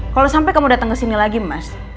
kalau sampai kamu dateng kesini lagi mas